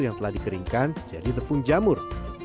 yang telah dikeringkan jadi tepung jamur